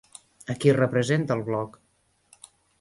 A qui representa el Bloc?